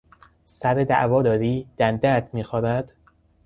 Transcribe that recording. سر دعوا داری؟ دندهات میخارد؟